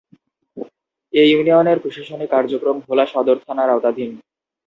এ ইউনিয়নের প্রশাসনিক কার্যক্রম ভোলা সদর থানার আওতাধীন।